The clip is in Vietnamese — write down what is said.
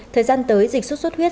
thời gian tới dịch sốt xuất huyết